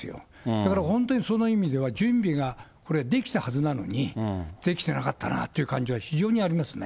だから本当にその意味では、準備がこれ、できたはずなのに、できてなかったなという感じは、非常にありますね。